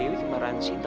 dewi kembaran sita